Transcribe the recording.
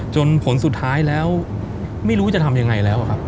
ผลสุดท้ายแล้วไม่รู้จะทำยังไงแล้วครับ